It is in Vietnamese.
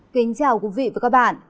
kính chào quý vị và các bạn